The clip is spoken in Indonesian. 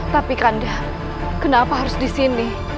tapi kanda kenapa harus disini